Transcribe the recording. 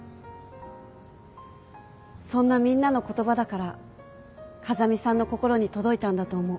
そんなみんなの言葉だから風見さんの心に届いたんだと思う。